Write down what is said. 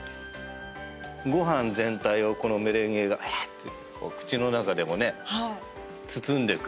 ご飯全体をこのメレンゲがうえーって口の中でもね包んでくれてるというか。